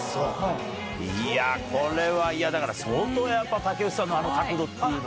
いやぁこれはだから相当やっぱ竹内さんのあの角度っていうのは。